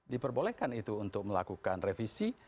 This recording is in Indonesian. diperbolehkan itu untuk melakukan revisi